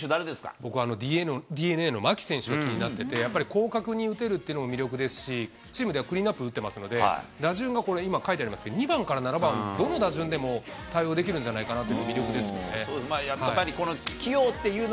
僕はＤｅＮＡの牧選手が気になってて、やっぱりこうかくに打てるっていうのも魅力ですし、チームではクリーンナップ打ってますので、打順がこれ、今、書いてありますけど、２番から７番、どの打順でも対応できるんじゃないかなとい